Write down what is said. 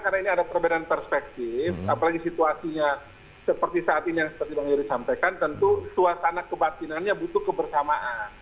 karena ini ada perbedaan perspektif apalagi situasinya seperti saat ini yang seperti bang yori sampaikan tentu suasana kebatinannya butuh kebersamaan